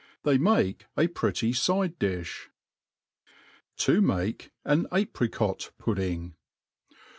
They make a pretty fide dilh. To tnaii an Apricot* Pudding.